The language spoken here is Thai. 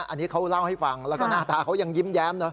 อันนี้เขาเล่าให้ฟังแล้วก็หน้าตาเขายังยิ้มแย้มนะ